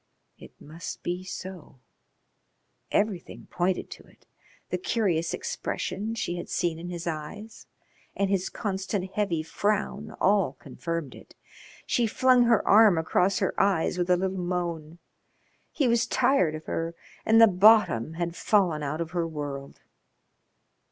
It must be so. Everything pointed to it; the curious expression she had seen in his eyes and his constant heavy frown all confirmed it. She flung her arm across her eyes with a little moan. He was tired of her and the bottom had fallen out of her world.